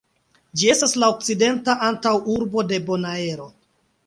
Ĝi estas la okcidenta antaŭurbo de Bonaero.